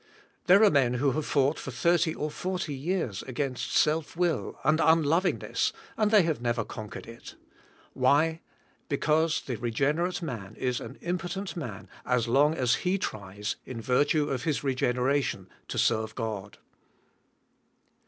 There are men who have foug ht for thirty or forty years against self will and unloving ness and they have never con quered it. Why? Because the reg'enerate man is an impotent man as long as he tries, in virtue of his reg'eneration, to serve God.